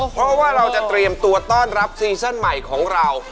เพราะว่าเราจะเตรียมตัวต้อนรับซีซั่นใหม่ของเรา